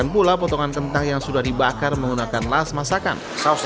pula potongan kentang yang sudah dibakar menggunakan las masakan